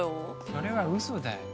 それは嘘だよ。